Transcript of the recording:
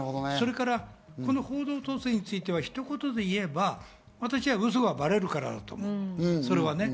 それから報道統制については、ひと言で言えば、私はウソがバレるからだと思う。